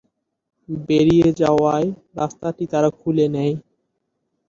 বেরিয়ে যাওয়ার রাস্তাটি তারা খুলে নেয়।